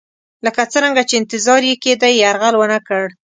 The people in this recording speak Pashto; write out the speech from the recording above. لکه څرنګه چې انتظار یې کېدی یرغل ونه کړ.